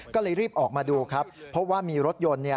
ก็เลยรีบออกมาดูครับเพราะว่ามีรถยนต์เนี่ย